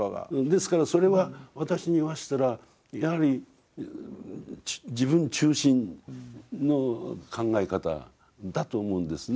ですからそれは私に言わせたらやはり自分中心の考え方だと思うんですね。